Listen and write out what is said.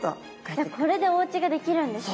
じゃこれでおうちができるんですね。